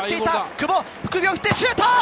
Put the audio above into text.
久保、首を振ってシュート！